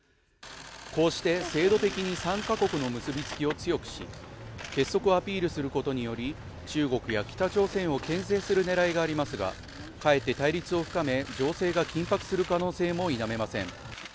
こうして制度的に３か国の結び付きを強くし結束をアピールすることにより中国や北朝鮮をけん制するねらいがありますがかえって対立を深め情勢が緊迫する可能性も否めません